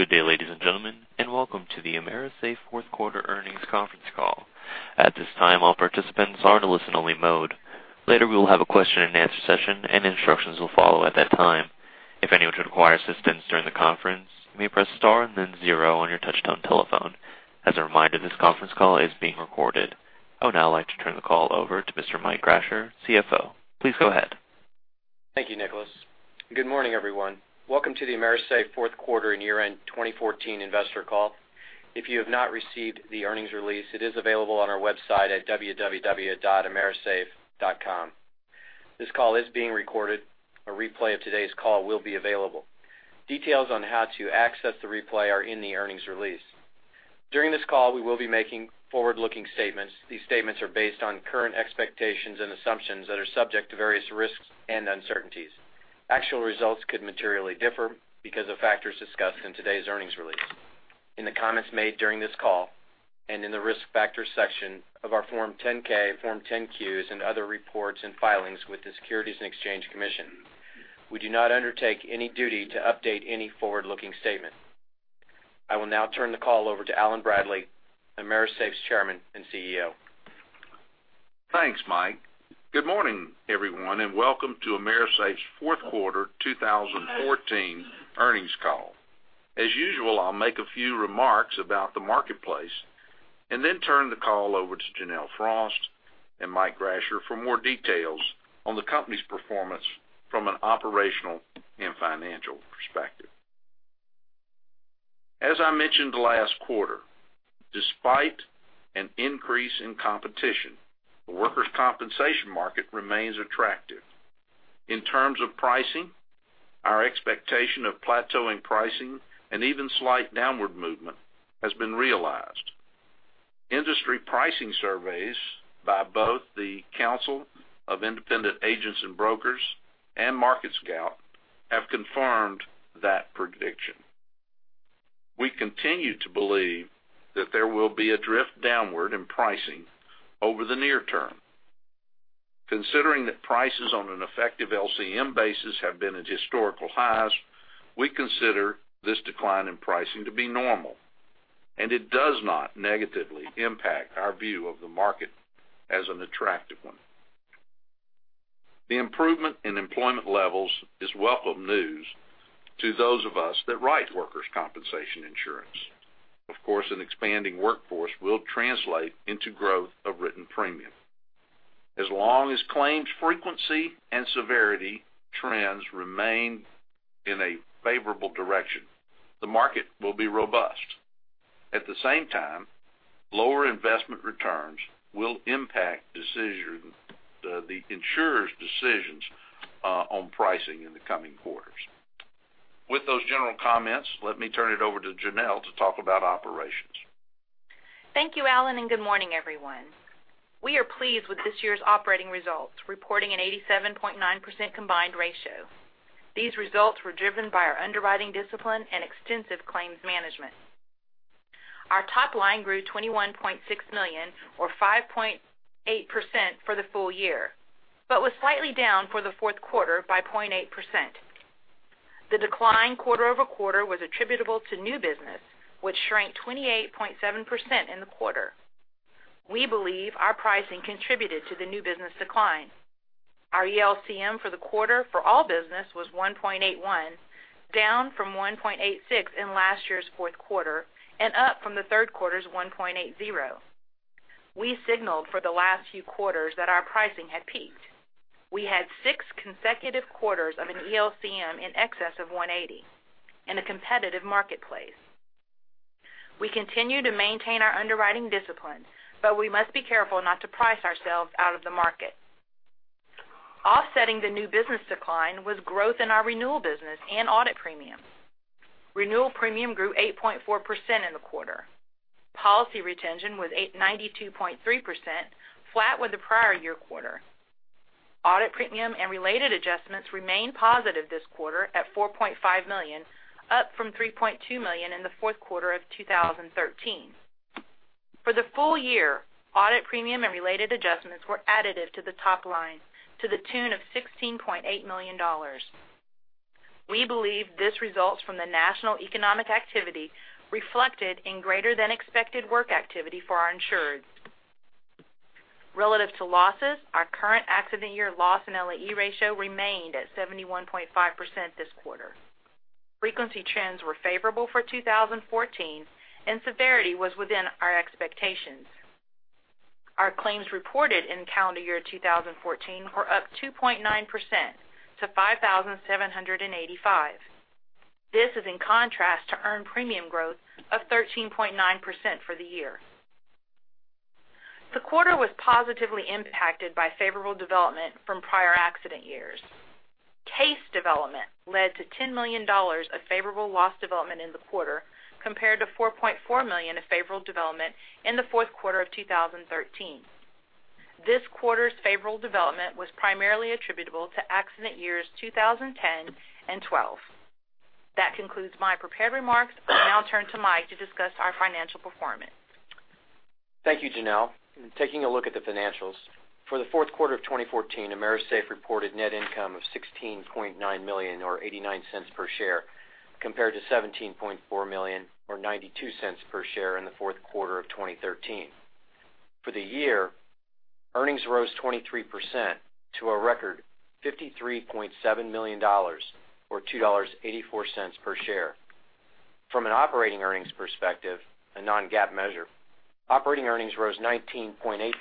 Good day, ladies and gentlemen, and welcome to the AMERISAFE fourth quarter earnings conference call. At this time, all participants are in listen only mode. Later, we will have a question and answer session and instructions will follow at that time. If anyone should require assistance during the conference, you may press star and then zero on your touch-tone telephone. As a reminder, this conference call is being recorded. I would now like to turn the call over to Mr. Michael Raschke, CFO. Please go ahead. Thank you, Nicholas. Good morning, everyone. Welcome to the AMERISAFE fourth quarter and year-end 2014 investor call. If you have not received the earnings release, it is available on our website at www.amerisafe.com. This call is being recorded. A replay of today's call will be available. Details on how to access the replay are in the earnings release. During this call, we will be making forward-looking statements. These statements are based on current expectations and assumptions that are subject to various risks and uncertainties. Actual results could materially differ because of factors discussed in today's earnings release, in the comments made during this call, and in the Risk Factors section of our Form 10-K, Form 10-Qs, and other reports and filings with the Securities and Exchange Commission. We do not undertake any duty to update any forward-looking statement. I will now turn the call over to Allen Bradley, AMERISAFE's Chairman and CEO. Thanks, Mike. Good morning, everyone, and welcome to AMERISAFE's fourth quarter 2014 earnings call. As usual, I'll make a few remarks about the marketplace and then turn the call over to Janelle Frost and Mike Raschke for more details on the company's performance from an operational and financial perspective. As I mentioned last quarter, despite an increase in competition, the workers' compensation market remains attractive. In terms of pricing, our expectation of plateauing pricing and even slight downward movement has been realized. Industry pricing surveys by both the Council of Insurance Agents & Brokers and MarketScout have confirmed that prediction. We continue to believe that there will be a drift downward in pricing over the near term. Considering that prices on an effective ELCM basis have been at historical highs, we consider this decline in pricing to be normal, and it does not negatively impact our view of the market as an attractive one. An expanding workforce will translate into growth of written premium. As long as claims frequency and severity trends remain in a favorable direction, the market will be robust. Lower investment returns will impact the insurer's decisions on pricing in the coming quarters. With those general comments, let me turn it over to Janelle to talk about operations. Thank you, Allen, and good morning, everyone. We are pleased with this year's operating results, reporting an 87.9% combined ratio. These results were driven by our underwriting discipline and extensive claims management. Our top line grew $21.6 million, or 5.8% for the full year, but was slightly down for the fourth quarter by 0.8%. The decline quarter-over-quarter was attributable to new business, which shrank 28.7% in the quarter. We believe our pricing contributed to the new business decline. Our ELCM for the quarter for all business was 1.81, down from 1.86 in last year's fourth quarter and up from the third quarter's 1.80. We signaled for the last few quarters that our pricing had peaked. We had six consecutive quarters of an ELCM in excess of 1.80 in a competitive marketplace. We continue to maintain our underwriting discipline, but we must be careful not to price ourselves out of the market. Offsetting the new business decline was growth in our renewal business and audit premium. Renewal premium grew 8.4% in the quarter. Policy retention was 92.3%, flat with the prior year quarter. Audit premium and related adjustments remained positive this quarter at $4.5 million, up from $3.2 million in the fourth quarter of 2013. For the full year, audit premium and related adjustments were additive to the top line to the tune of $16.8 million. We believe this results from the national economic activity reflected in greater than expected work activity for our insureds. Relative to losses, our current accident year loss and LAE ratio remained at 71.5% this quarter. Frequency trends were favorable for 2014, and severity was within our expectations. Our claims reported in calendar year 2014 were up 2.9% to 5,785. This is in contrast to earned premium growth of 13.9% for the year. The quarter was positively impacted by favorable development from prior accident years. Case development led to $10 million of favorable loss development in the quarter, compared to $4.4 million of favorable development in the fourth quarter of 2013. This quarter's favorable development was primarily attributable to accident years 2010 and 2012. That concludes my prepared remarks. I'll now turn to Mike to discuss our financial performance. Thank you, Janelle. Taking a look at the financials. For the fourth quarter of 2014, AMERISAFE reported net income of $16.9 million, or $0.89 per share, compared to $17.4 million, or $0.92 per share in the fourth quarter of 2013. For the year, earnings rose 23% to a record $53.7 million, or $2.84 per share. From an operating earnings perspective, a non-GAAP measure, operating earnings rose 19.8%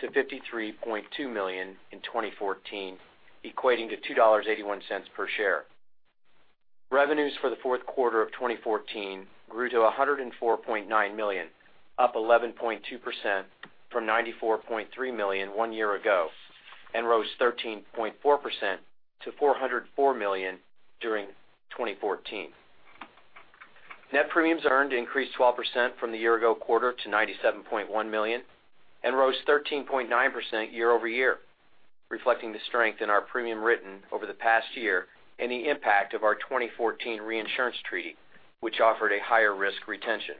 to $53.2 million in 2014, equating to $2.81 per share. Revenues for the fourth quarter of 2014 grew to $104.9 million, up 11.2% from $94.3 million one year ago, and rose 13.4% to $404 million during 2014. Net premiums earned increased 12% from the year-ago quarter to $97.1 million and rose 13.9% year-over-year, reflecting the strength in our premium written over the past year and the impact of our 2014 reinsurance treaty, which offered a higher risk retention.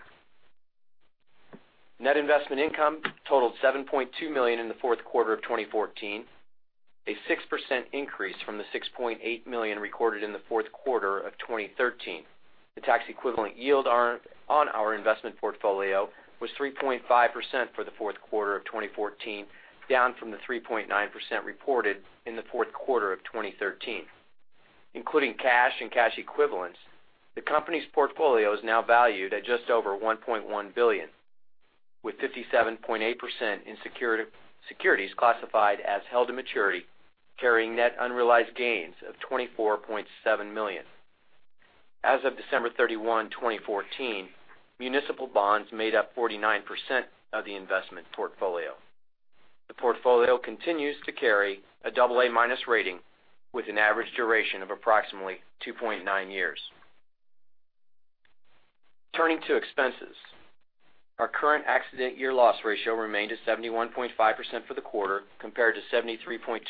Net investment income totaled $7.2 million in the fourth quarter of 2014, a 6% increase from the $6.8 million recorded in the fourth quarter of 2013. The tax-equivalent yield on our investment portfolio was 3.5% for the fourth quarter of 2014, down from the 3.9% reported in the fourth quarter of 2013. Including cash and cash equivalents, the company's portfolio is now valued at just over $1.1 billion, with 57.8% in securities classified as held to maturity, carrying net unrealized gains of $24.7 million. As of December 31, 2014, municipal bonds made up 49% of the investment portfolio. The portfolio continues to carry a double A-minus rating with an average duration of approximately 2.9 years. Turning to expenses. Our current accident year loss ratio remained at 71.5% for the quarter, compared to 73.2%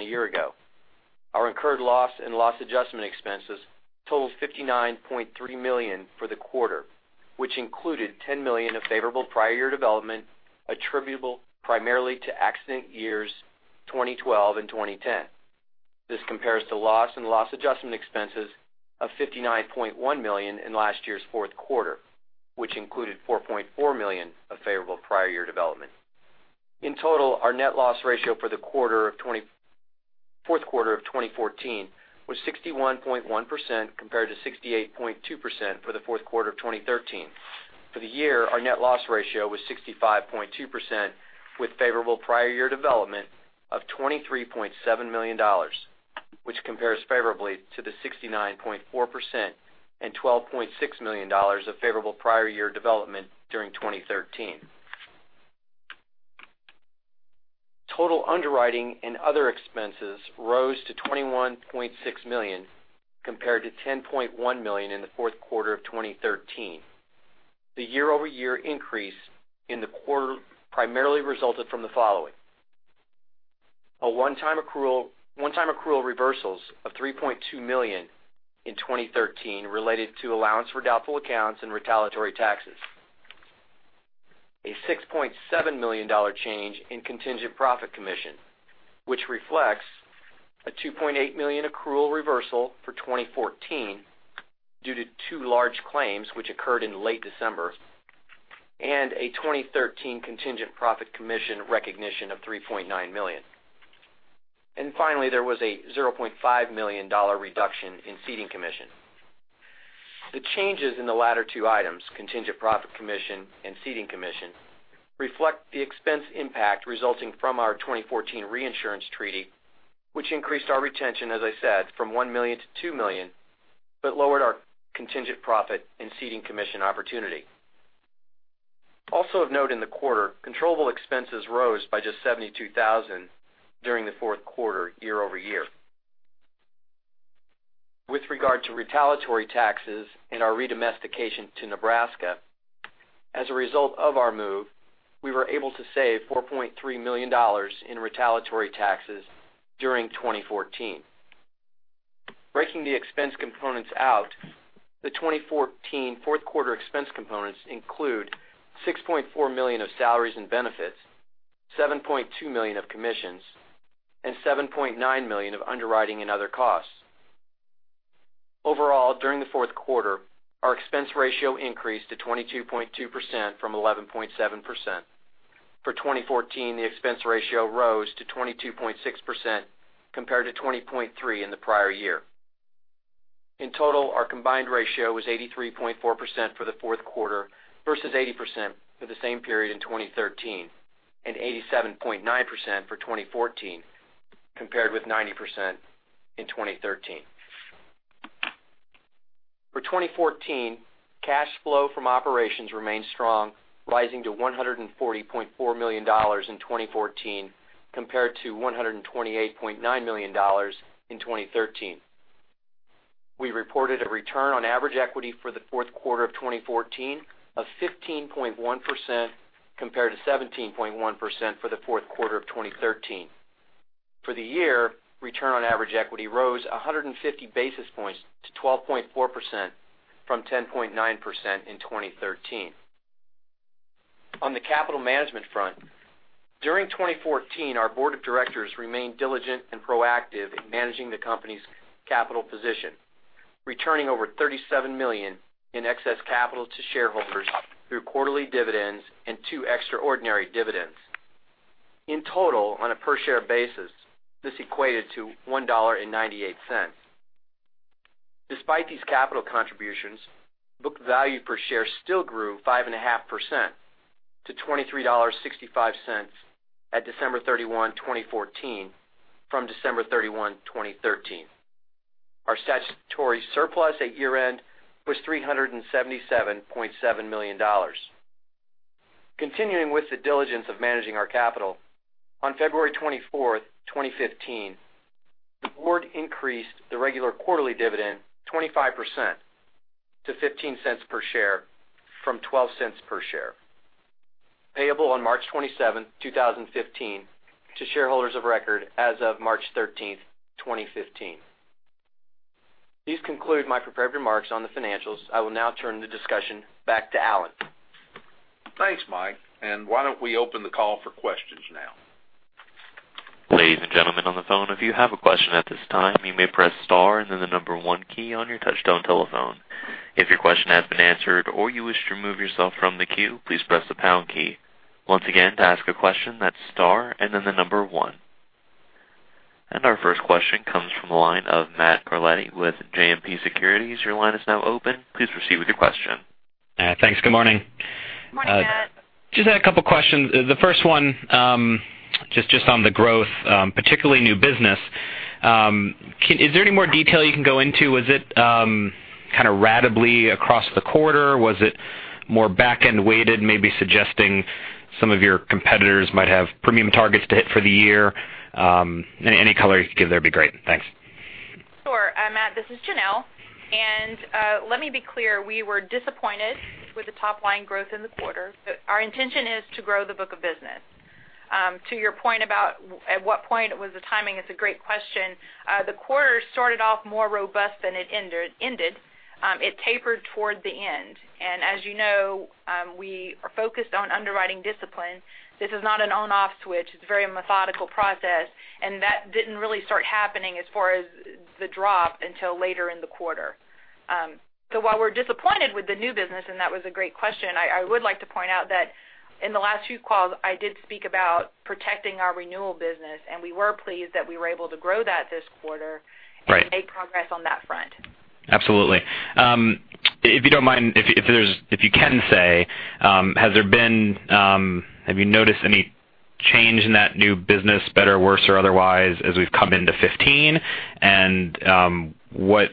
a year ago. Our incurred loss and loss adjustment expenses totaled $59.3 million for the quarter, which included $10 million of favorable prior year development attributable primarily to accident years 2012 and 2010. This compares to loss and loss adjustment expenses of $59.1 million in last year's fourth quarter, which included $4.4 million of favorable prior year development. In total, our net loss ratio for the fourth quarter of 2014 was 61.1%, compared to 68.2% for the fourth quarter of 2013. For the year, our net loss ratio was 65.2%, with favorable prior year development of $23.7 million, which compares favorably to the 69.4% and $12.6 million of favorable prior year development during 2013. Total underwriting and other expenses rose to $21.6 million, compared to $10.1 million in the fourth quarter of 2013. The year-over-year increase in the quarter primarily resulted from the following: a one-time accrual reversals of $3.2 million in 2013 related to allowance for doubtful accounts and retaliatory taxes. A $6.7 million change in contingent profit commission, which reflects a $2.8 million accrual reversal for 2014 due to two large claims which occurred in late December, and a 2013 contingent profit commission recognition of $3.9 million. Finally, there was a $0.5 million reduction in ceding commission. The changes in the latter two items, contingent profit commission and ceding commission, reflect the expense impact resulting from our 2014 reinsurance treaty, which increased our retention, as I said, from $1 million to $2 million but lowered our contingent profit and ceding commission opportunity. Also of note in the quarter, controllable expenses rose by just $72,000 during the fourth quarter year-over-year. With regard to retaliatory taxes and our redomestication to Nebraska, as a result of our move, we were able to save $4.3 million in retaliatory taxes during 2014. Breaking the expense components out, the 2014 fourth quarter expense components include $6.4 million of salaries and benefits, $7.2 million of commissions, and $7.9 million of underwriting and other costs. Overall, during the fourth quarter, our expense ratio increased to 22.2% from 11.7%. For 2014, the expense ratio rose to 22.6%, compared to 20.3% in the prior year. In total, our combined ratio was 83.4% for the fourth quarter versus 80% for the same period in 2013, and 87.9% for 2014, compared with 90% in 2013. For 2014, cash flow from operations remained strong, rising to $140.4 million in 2014, compared to $128.9 million in 2013. We reported a return on average equity for the fourth quarter of 2014 of 15.1%, compared to 17.1% for the fourth quarter of 2013. For the year, return on average equity rose 150 basis points to 12.4% from 10.9% in 2013. On the capital management front, during 2014, our board of directors remained diligent and proactive in managing the company's capital position, returning over $37 million in excess capital to shareholders through quarterly dividends and two extraordinary dividends. In total, on a per-share basis, this equated to $1.98. Despite these capital contributions, book value per share still grew 5.5% to $23.65 at December 31, 2014, from December 31, 2013. Our statutory surplus at year-end was $377.7 million. Continuing with the diligence of managing our capital, on February 24, 2015, the board increased the regular quarterly dividend 25% to $0.15 per share from $0.12 per share, payable on March 27, 2015, to shareholders of record as of March 13, 2015. This concludes my prepared remarks on the financials. I will now turn the discussion back to Allen. Thanks, Mike. Why don't we open the call for questions now? Ladies and gentlemen on the phone, if you have a question at this time, you may press star and then the number one key on your touchtone telephone. If your question has been answered or you wish to remove yourself from the queue, please press the pound key. Once again, to ask a question, that's star and then the number one. Our first question comes from the line of Matthew Carletti with JMP Securities. Your line is now open. Please proceed with your question. Thanks. Good morning. Morning, Matt. Just had a couple questions. The first one, just on the growth, particularly new business. Is there any more detail you can go into? Is it kind of ratably across the quarter? Was it more back-end weighted, maybe suggesting some of your competitors might have premium targets to hit for the year? Any color you could give there would be great. Thanks. Sure. Matt, this is Janelle. Let me be clear, we were disappointed with the top-line growth in the quarter. Our intention is to grow the book of business. To your point about at what point was the timing, it's a great question. The quarter started off more robust than it ended. It tapered toward the end. As you know, we are focused on underwriting discipline. This is not an on/off switch. It's a very methodical process, and that didn't really start happening as far as the drop until later in the quarter. While we're disappointed with the new business, and that was a great question, I would like to point out that in the last few calls, I did speak about protecting our renewal business, and we were pleased that we were able to grow that this quarter. Right Make progress on that front. Absolutely. If you don't mind, if you can say, have you noticed any change in that new business, better, worse or otherwise, as we've come into 2015? What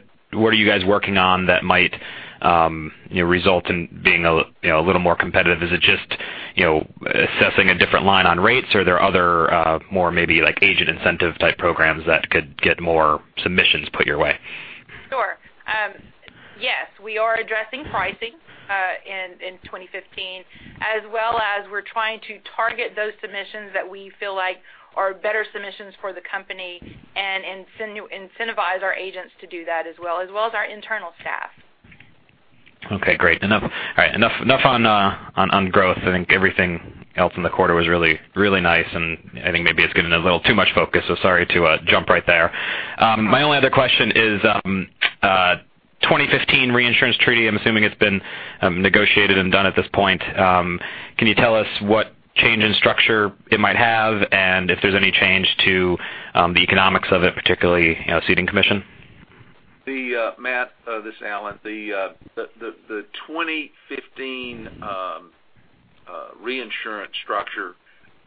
are you guys working on that might result in being a little more competitive? Is it just assessing a different line on rates, or are there other more maybe agent incentive type programs that could get more submissions put your way? Sure. Yes, we are addressing pricing in 2015, as well as we're trying to target those submissions that we feel like are better submissions for the company and incentivize our agents to do that as well, as well as our internal staff. Okay, great. Enough on growth. I think everything else in the quarter was really nice, and I think maybe it's getting a little too much focus. Sorry to jump right there. My only other question is 2015 reinsurance treaty, I'm assuming it's been negotiated and done at this point. Can you tell us what change in structure it might have, and if there's any change to the economics of it, particularly ceding commission? Matt, this is Alan. The 2015 reinsurance structure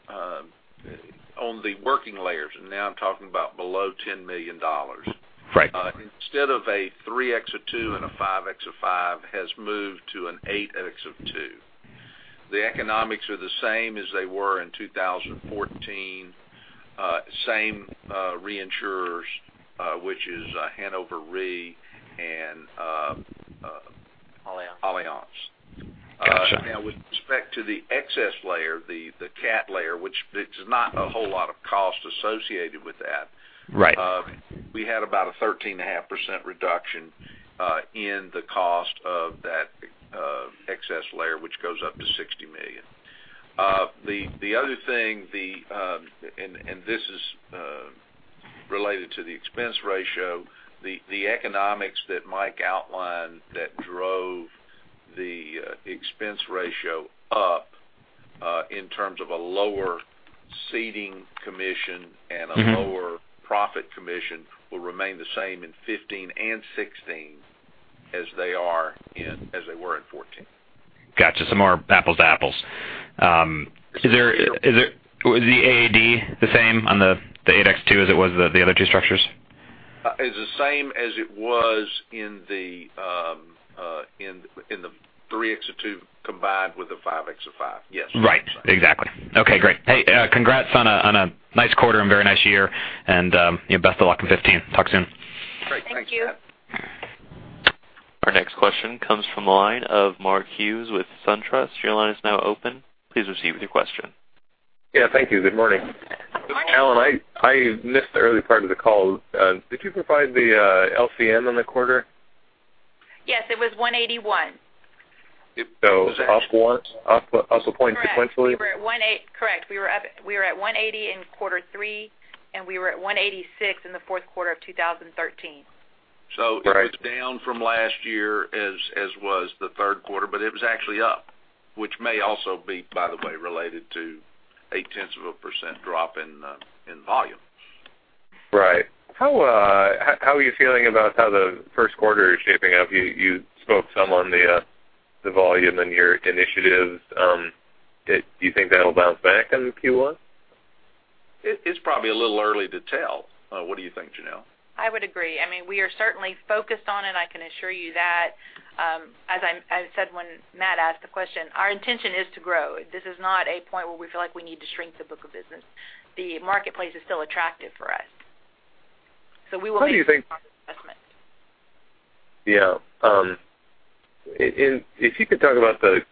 on the working layers, and now I'm talking about below $10 million. Right. Instead of a $3M x $2M and a $5M x $5M has moved to an $8M x $2M. The economics are the same as they were in 2014. Same reinsurers, which is Hannover Re. Allianz Allianz. Gotcha. With respect to the excess layer, the cat layer, which there's not a whole lot of cost associated with that. Right We had about a 13.5% reduction in the cost of that excess layer, which goes up to $60 million. The other thing, and this is related to the expense ratio, the economics that Mike outlined that drove the expense ratio up in terms of a lower ceding commission and a lower profit commission will remain the same in 2015 and 2016 as they were in 2014. Got you. More apples to apples. Was the AAD the same on the $8M x $2M as it was the other two structures? It's the same as it was in the $3M x $2M combined with the $5M x $5M. Yes. Right. Exactly. Okay, great. Hey, congrats on a nice quarter and very nice year, and best of luck in 2015. Talk soon. Great. Thanks, Matt. Our next question comes from the line of Mark Hughes with SunTrust. Your line is now open. Please proceed with your question. Yeah. Thank you. Good morning. Good morning. Allen, I missed the early part of the call. Did you provide the LCM on the quarter? Yes, it was 1.81. Up one, up a point sequentially? Correct. We were at 1.80 in quarter three, and we were at 1.86 in the fourth quarter of 2013. Right. It was down from last year, as was the third quarter, but it was actually up, which may also be, by the way, related to a tenth of a % drop in volumes. Right. How are you feeling about how the first quarter is shaping up? You spoke some on the volume and your initiatives. Do you think that'll bounce back in Q1? It's probably a little early to tell. What do you think, Janelle? I would agree. We are certainly focused on it, I can assure you that. As I said when Matt asked the question, our intention is to grow. This is not a point where we feel like we need to shrink the book of business. The marketplace is still attractive for us. We will make our assessment. Yeah. If you could talk about the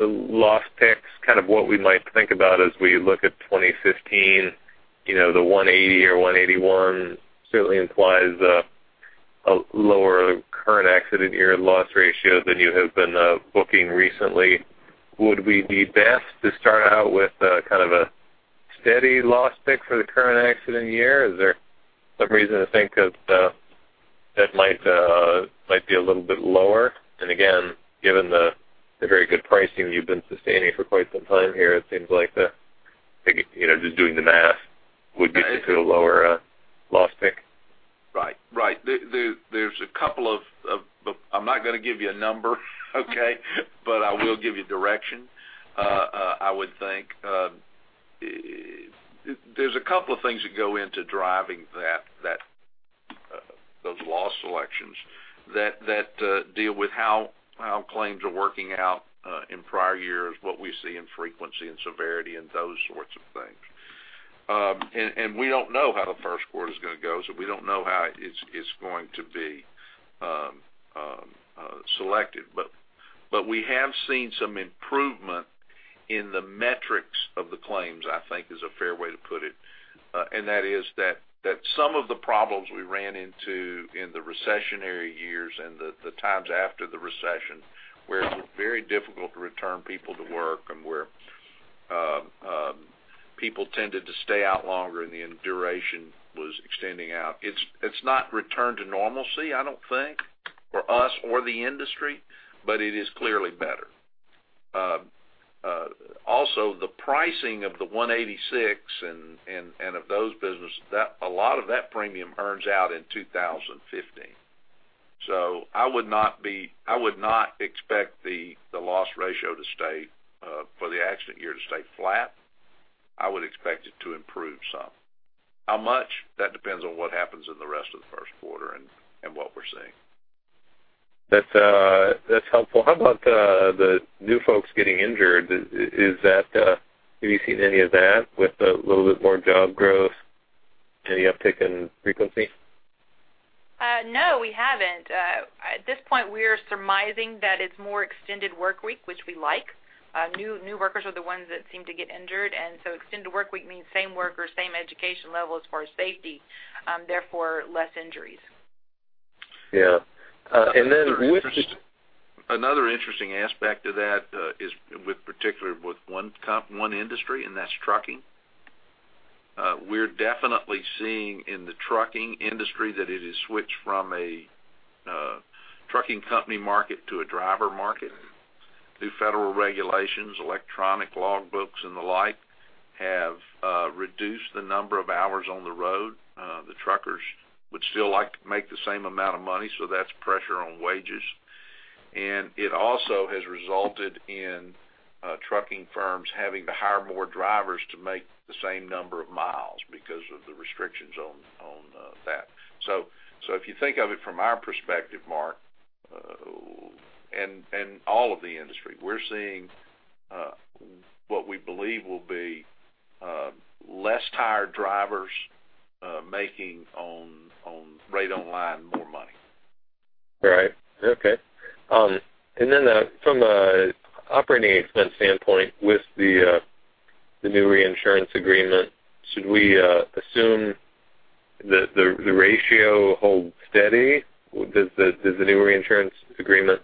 loss picks, what we might think about as we look at 2015, the 1.80 or 1.81 certainly implies a lower current accident year loss ratio than you have been booking recently. Would we be best to start out with kind of a steady loss pick for the current accident year? Is there some reason to think that might be a little bit lower? Again, given the very good pricing you've been sustaining for quite some time here, it seems like just doing the math would get you to a lower loss pick. Right. I'm not going to give you a number, okay? I will give you direction. There's a couple of things that go into driving those loss selections that deal with how claims are working out in prior years, what we see in frequency and severity, and those sorts of things. We don't know how the first quarter is going to go, we don't know how it's going to be selected. We have seen some improvement in the metrics of the claims, I think, is a fair way to put it. That is that some of the problems we ran into in the recessionary years and the times after the recession, where it was very difficult to return people to work and where people tended to stay out longer and the duration was extending out. It's not returned to normalcy, I don't think, for us or the industry, but it is clearly better. Also, the pricing of the 186 and of those businesses, a lot of that premium earns out in 2015. I would not expect the loss ratio for the accident year to stay flat. I would expect it to improve some. How much? That depends on what happens in the rest of the first quarter and what we're seeing. That's helpful. How about the new folks getting injured? Have you seen any of that with a little bit more job growth? Any uptick in frequency? No, we haven't. At this point, we are surmising that it's more extended workweek, which we like. New workers are the ones that seem to get injured. Extended workweek means same workers, same education level as far as safety, therefore less injuries. Yeah. Another interesting aspect of that is in particular with one industry, and that's trucking. We're definitely seeing in the trucking industry that it has switched from a trucking company market to a driver market. New federal regulations, electronic logbooks, and the like have reduced the number of hours on the road. The truckers would still like to make the same amount of money, so that's pressure on wages. It also has resulted in trucking firms having to hire more drivers to make the same number of miles because of the restrictions on that. If you think of it from our perspective, Mark, and all of the industry, we're seeing what we believe will be less tired drivers making on rate online more money. Right. Okay. From an operating expense standpoint, with the new reinsurance agreement, should we assume the ratio holds steady? Does the new reinsurance agreement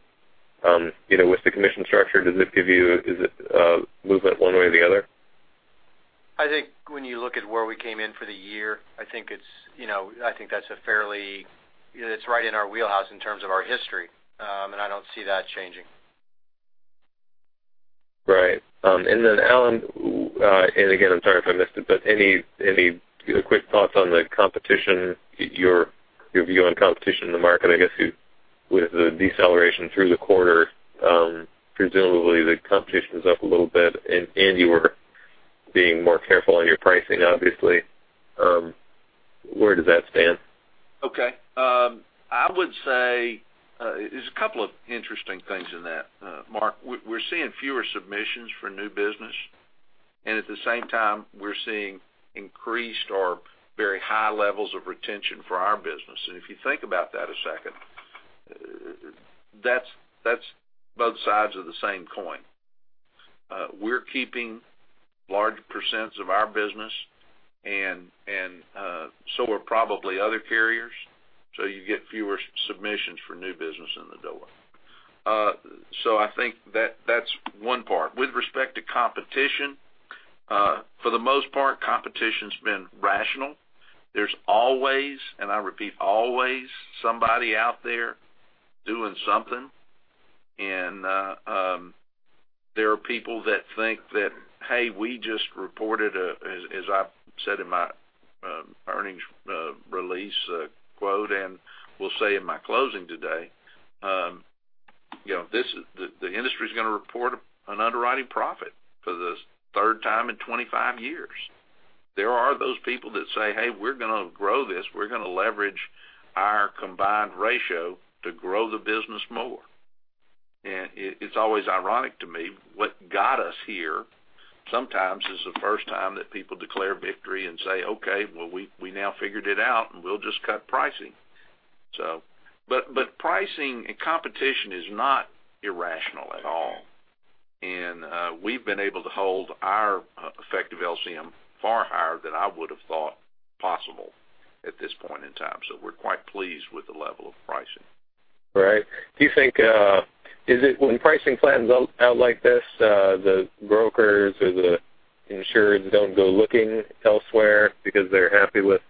with the commission structure, does it give you a movement one way or the other? I think when you look at where we came in for the year, I think that's right in our wheelhouse in terms of our history, and I don't see that changing. Right. Allen, again, I'm sorry if I missed it, but any quick thoughts on the competition, your view on competition in the market? I guess with the deceleration through the quarter, presumably the competition is up a little bit, and you were being more careful on your pricing, obviously. Where does that stand? Okay. I would say there's a couple of interesting things in that, Mark. We're seeing fewer submissions for new business at the same time, we're seeing increased or very high levels of retention for our business. If you think about that a second, that's both sides of the same coin. We're keeping large percents of our business, and so are probably other carriers, so you get fewer submissions for new business in the door. I think that's one part. With respect to competition, for the most part, competition's been rational. There's always, and I repeat, always somebody out there doing something. There are people that think that, hey, we just reported, as I've said in my earnings release quote, and will say in my closing today, the industry's going to report an underwriting profit for the third time in 25 years. There are those people that say, "Hey, we're going to grow this. We're going to leverage our combined ratio to grow the business more." It's always ironic to me, what got us here sometimes is the first time that people declare victory and say, "Okay, well, we now figured it out, and we'll just cut pricing." Pricing and competition is not irrational at all. We've been able to hold our effective LCM far higher than I would've thought possible at this point in time. We're quite pleased with the level of pricing. Right. When pricing flattens out like this, the brokers or the insurers don't go looking elsewhere because they're happy with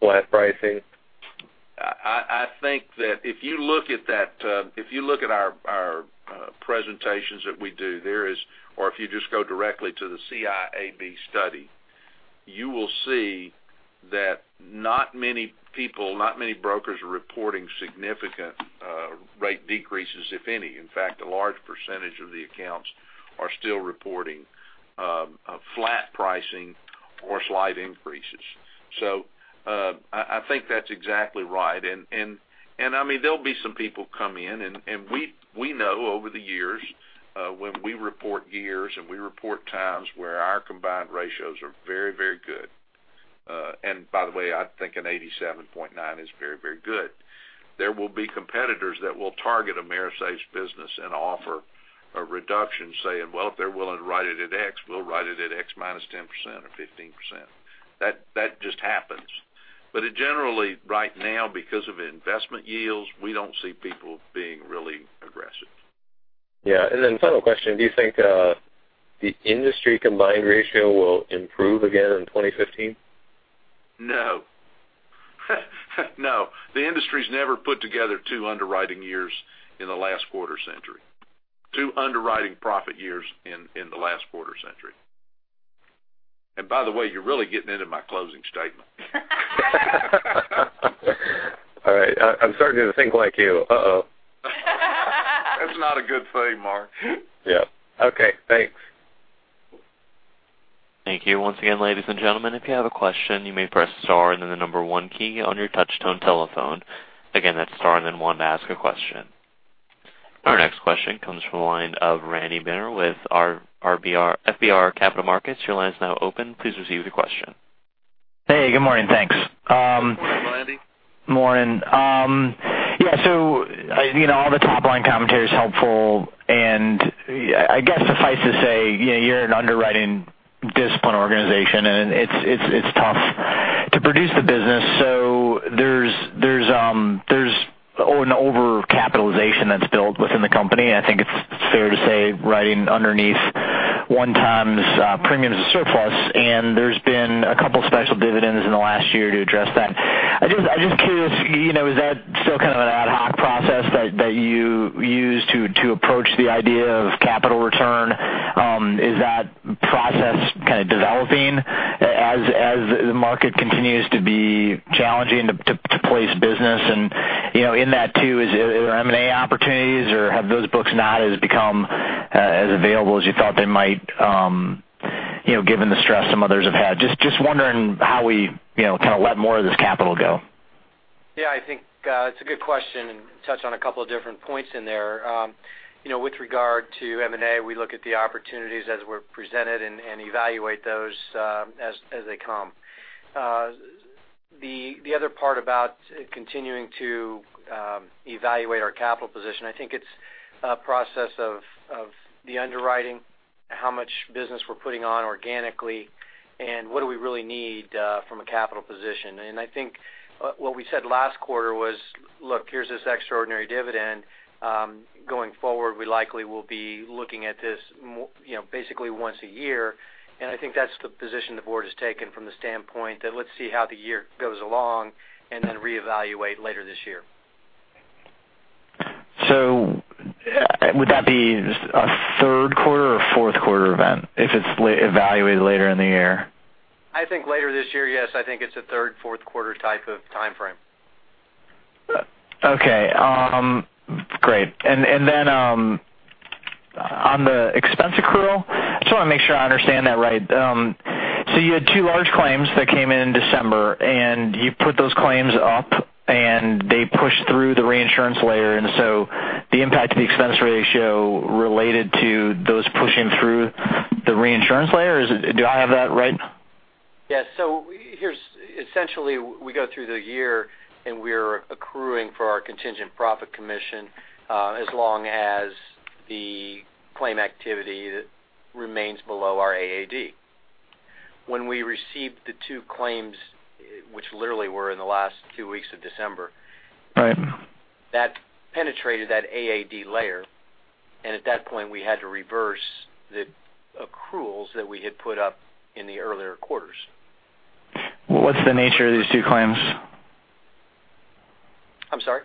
flat pricing? I think that if you look at our presentations that we do, or if you just go directly to the CIAB study, you will see that not many people, not many brokers are reporting significant rate decreases, if any. In fact, a large percentage of the accounts are still reporting flat pricing or slight increases. I think that's exactly right. There'll be some people come in, and we know over the years, when we report years and we report times where our combined ratios are very good. By the way, I think an 87.9 is very good. There will be competitors that will target AMERISAFE's business and offer a reduction, saying, well, if they're willing to write it at X, we'll write it at X minus 10% or 15%. That just happens. Generally, right now, because of investment yields, we don't see people being really aggressive. Yeah. Then final question, do you think the industry combined ratio will improve again in 2015? No. No. The industry's never put together two underwriting years in the last quarter century. Two underwriting profit years in the last quarter century. By the way, you're really getting into my closing statement. All right. I'm starting to think like you. That's not a good thing, Mark. Yeah. Okay, thanks. Thank you. Once again, ladies and gentlemen, if you have a question, you may press star and then the number one key on your touch tone telephone. Again, that's star and then one to ask a question. Our next question comes from the line of Randy Binner with FBR Capital Markets. Your line is now open. Please proceed with your question. Hey, good morning. Thanks. Good morning, Randy. Morning. All the top-line commentary is helpful. I guess suffice to say, you're an underwriting discipline organization, and it's tough to produce the business. There's an over-capitalization that's built within the company. I think it's fair to say riding underneath one times premiums of surplus, and there's been a couple special dividends in the last year to address that. I'm just curious, is that still kind of an ad hoc process that you use to approach the idea of capital return? Is that process kind of developing as the market continues to be challenging to place business? In that too, is there M&A opportunities, or have those books not as become as available as you thought they might, given the stress some others have had? Just wondering how we kind of let more of this capital go. I think it's a good question, touch on a couple of different points in there. With regard to M&A, we look at the opportunities as we're presented and evaluate those as they come. The other part about continuing to evaluate our capital position, I think it's a process of the underwriting, how much business we're putting on organically, and what do we really need from a capital position. I think what we said last quarter was, look, here's this extraordinary dividend. Going forward, we likely will be looking at this basically once a year, and I think that's the position the board has taken from the standpoint that let's see how the year goes along and then reevaluate later this year. Would that be a third quarter or a fourth quarter event if it's evaluated later in the year? I think later this year, yes. I think it's a third, fourth quarter type of timeframe. Okay. Great. On the expense accrual, I just want to make sure I understand that right. You had two large claims that came in December, you put those claims up, and they pushed through the reinsurance layer. The impact to the expense ratio related to those pushing through the reinsurance layer? Do I have that right? Yes. Essentially, we go through the year, and we're accruing for our contingent profit commission, as long as the claim activity remains below our AAD. We received the two claims, which literally were in the last two weeks of December. Right that penetrated that AAD layer, and at that point, we had to reverse the accruals that we had put up in the earlier quarters. What's the nature of these two claims? I'm sorry?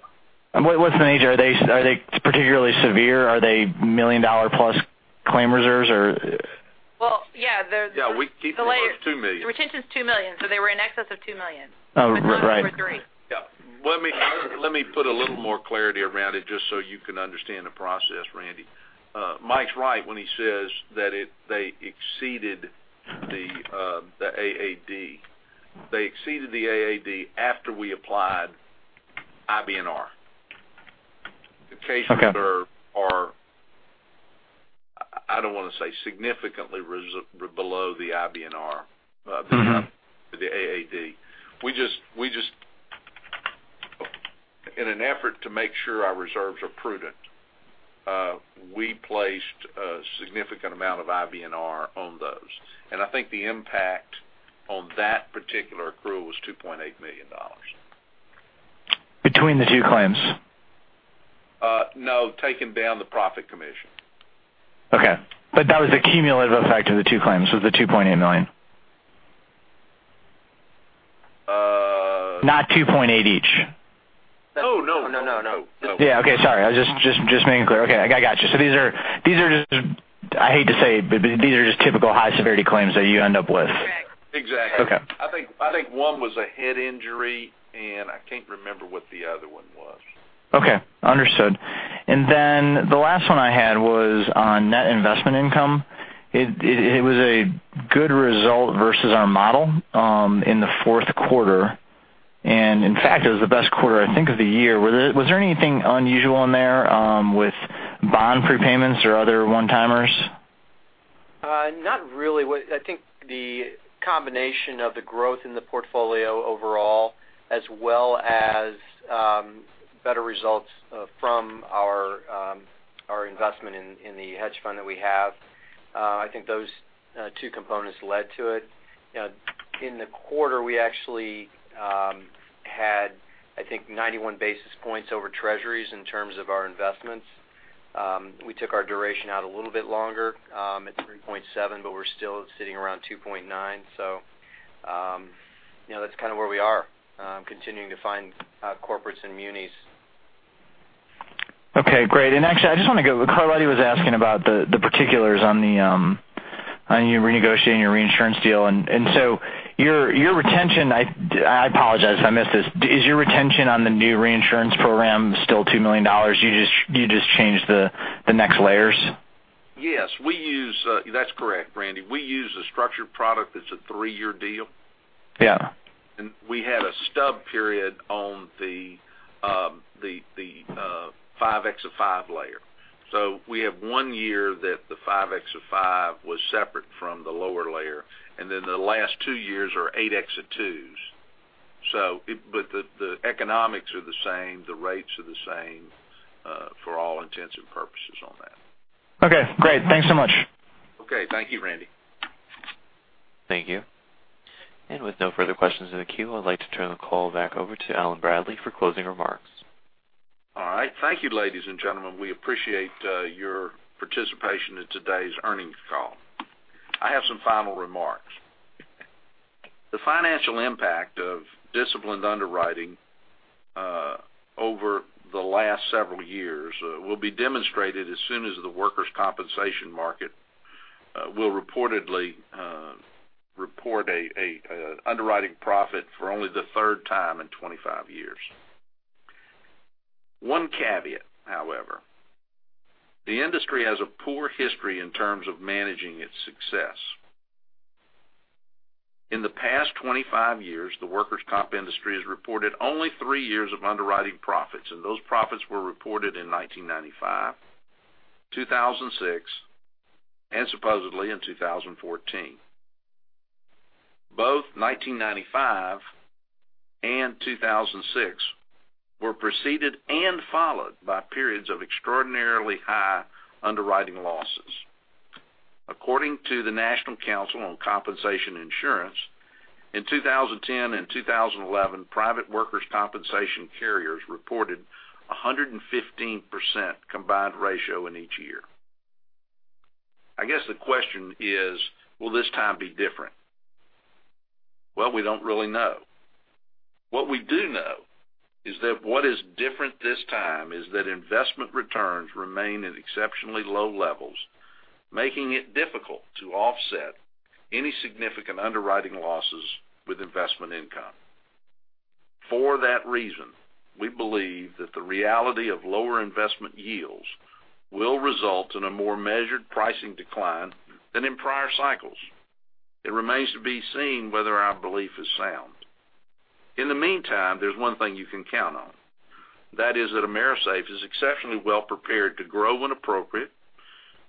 What's the nature? Are they particularly severe? Are they million-dollar-plus claim reserves or Well, yeah. The layer Yeah, we keep it over $2 million. Retention's $2 million. They were in excess of $2 million. Oh, right. I thought they were three. Yeah. Let me put a little more clarity around it just so you can understand the process, Randy. Mike's right when he says that they exceeded the AAD. They exceeded the AAD after we applied IBNR. Okay. The cases are, I don't want to say significantly below the IBNR- the AAD. In an effort to make sure our reserves are prudent, we placed a significant amount of IBNR on those, and I think the impact on that particular accrual was $2.8 million. Between the two claims? No, taking down the profit commission. Okay. That was a cumulative effect of the two claims, was the $2.8 million? Uh- Not $2.8 each? No, no. No, no. Yeah, okay. Sorry. I was just making clear. Okay, I got you. These are just, I hate to say, but these are just typical high-severity claims that you end up with. Exactly. Exactly. Okay. I think one was a head injury, and I can't remember what the other one was. Okay, understood. The last one I had was on net investment income. It was a good result versus our model in the fourth quarter. In fact, it was the best quarter, I think, of the year. Was there anything unusual in there with bond prepayments or other one-timers? Not really. I think the combination of the growth in the portfolio overall, as well as better results from our investment in the hedge fund that we have, I think those two components led to it. In the quarter, we actually had, I think, 91 basis points over Treasuries in terms of our investments. We took our duration out a little bit longer at 3.7, but we're still sitting around 2.9. That's kind of where we are, continuing to find corporates and munis. Okay, great. Actually, I just want to go, Carletti was asking about the particulars on you renegotiating your reinsurance deal. Your retention, I apologize if I missed this. Is your retention on the new reinsurance program still $2 million, you just changed the next layers? Yes. That's correct, Randy. We use a structured product that's a 3-year deal. Yeah. We had a stub period on the $5M x $5M layer. We have one year that the $5M x $5M was separate from the lower layer, then the last two years are $8M x $2M. The economics are the same, the rates are the same, for all intents and purposes on that. Okay, great. Thanks so much. Okay. Thank you, Randy. Thank you. With no further questions in the queue, I'd like to turn the call back over to Allen Bradley for closing remarks. All right. Thank you, ladies and gentlemen. We appreciate your participation in today's earnings call. I have some final remarks. The financial impact of disciplined underwriting over the last several years will be demonstrated as soon as the workers' compensation market will reportedly report an underwriting profit for only the third time in 25 years. One caveat, however. The industry has a poor history in terms of managing its success. In the past 25 years, the workers' comp industry has reported only three years of underwriting profits, and those profits were reported in 1995, 2006, and supposedly in 2014. Both 1995 and 2006 were preceded and followed by periods of extraordinarily high underwriting losses. According to the National Council on Compensation Insurance, in 2010 and 2011, private workers' compensation carriers reported 115% combined ratio in each year. I guess the question is, will this time be different? Well, we don't really know. What we do know is that what is different this time is that investment returns remain at exceptionally low levels, making it difficult to offset any significant underwriting losses with investment income. For that reason, we believe that the reality of lower investment yields will result in a more measured pricing decline than in prior cycles. It remains to be seen whether our belief is sound. In the meantime, there's one thing you can count on. That is that AMERISAFE is exceptionally well prepared to grow when appropriate,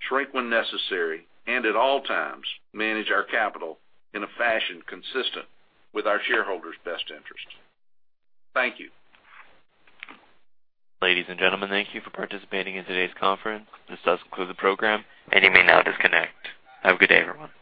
shrink when necessary, and at all times, manage our capital in a fashion consistent with our shareholders' best interest. Thank you. Ladies and gentlemen, thank you for participating in today's conference. This does conclude the program, and you may now disconnect. Have a good day, everyone.